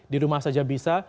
di rumah saja bisa